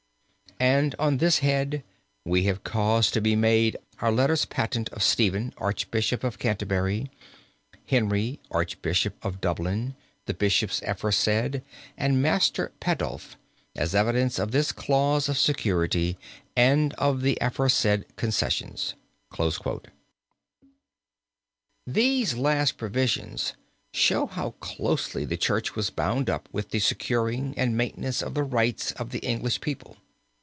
"And, on this head, we have caused to be made out letters patent of Stephen, Archbishop of Canterbury, Henry, Archbishop of Dublin, the bishops aforesaid, and Master Pandulf, as evidence of this clause of security and of the aforesaid concessions." These last provisions show how closely the Church was bound up with the securing and maintenance of the rights of the English people.